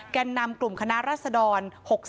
แก่นนำกลุ่มคณะรัศดร๖๓